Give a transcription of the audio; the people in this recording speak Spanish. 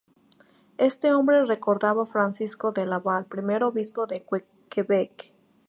Este nombre recordaba Francisco de Laval, primero obispo de Quebec.